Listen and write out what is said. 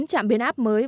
chín trạm biến áp mới